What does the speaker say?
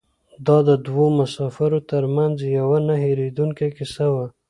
دا د دوو مسافرو تر منځ یوه نه هېرېدونکې کیسه وه.